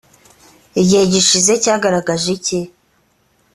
igihe gishize cyagaragaje iki ‽